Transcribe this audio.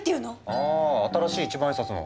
あ新しい一万円札の。